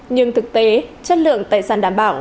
nhưng thực tế chất lượng tài sản đảm bảo